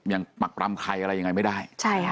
ยังปรับรำไข่อะไรยังไงไม่ได้